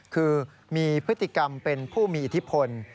คือมีพฤติกรรมเป็นผู้มีอิทธิพล